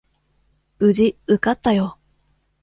無事受かったよ。